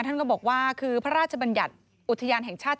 ท่านก็บอกว่าคือพระราชบัญญัติอุทยานแห่งชาติ